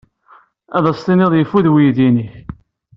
Ad as-tiniḍ yeffud weydi-nnek.